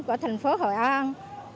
của thành phố hội an